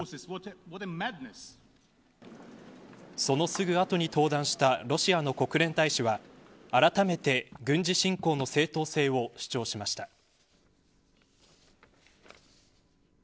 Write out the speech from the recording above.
そのすぐ後に登壇したロシアの国連大使はあらためて、軍事侵攻の正当性を主張しました。